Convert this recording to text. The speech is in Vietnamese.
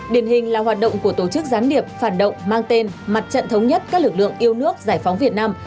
điển hình là hoạt động của tổ chức gián điệp phản động mang tên mặt trận thống nhất các lực lượng yêu nước giải phóng việt nam